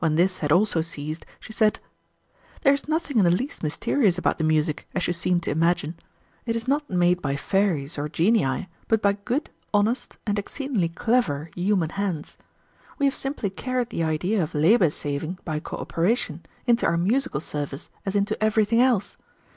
When this had also ceased, she said: "There is nothing in the least mysterious about the music, as you seem to imagine. It is not made by fairies or genii, but by good, honest, and exceedingly clever human hands. We have simply carried the idea of labor saving by cooperation into our musical service as into everything else.